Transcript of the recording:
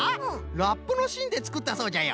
ラップのしんでつくったそうじゃよ。